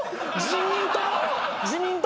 自民党！？